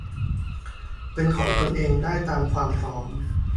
เป็นของตนเองได้ตามความพร้อม